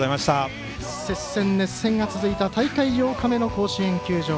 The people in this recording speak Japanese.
接戦、熱戦が続いた大会８日目の甲子園球場。